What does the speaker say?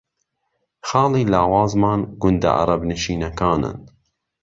خاڵی لاوازمان گوندە عەرەبنشینەکانن